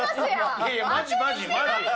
いやいや、マジ、マジ。